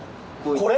これ？